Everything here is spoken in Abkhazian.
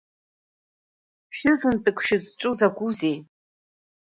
Шәызынтәык шәызҿу закәызеи?!